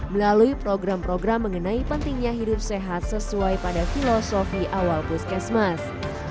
melalui program program mengenai pentingnya hidup sehat sesuai pada filosofi awal puskesmas